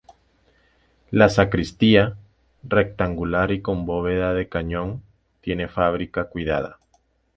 La sacristía, rectangular y con bóveda de cañón, tiene fábrica cuidada.